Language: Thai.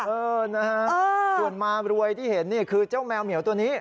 เออนะฮะส่วนมารวยที่เห็นนี่คือเจ้าแมวเหมียวตัวนี้